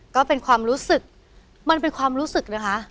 ก็เป็นความรู้สึกมันเป็นความรู้สึกนะคะ